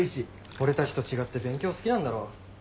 俺たちと違って勉強好きなんだろう。